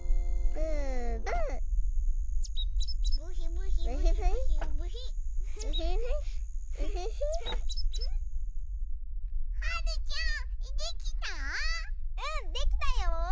うんできたよ！